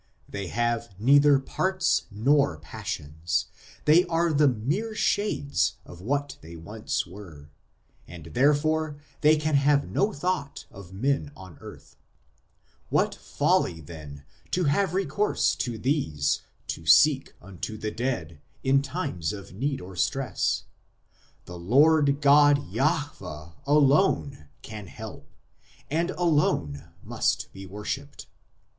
They have neither parts nor passions, they are the mere shades of what they once were ; and therefore they can have no thought of men on earth. What folly, then, to have recourse to these, " to seek unto the dead," in times of need or stress ; the Lord God, Jahwe, alone can help, and alone must be worshipped.